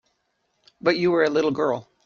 But you were a little girl.